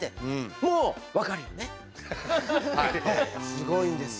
すごいんですよ。